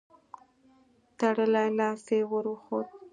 تړلی لاس يې ور وښود.